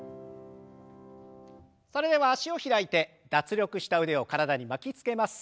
それでは脚を開いて脱力した腕を体に巻きつけます。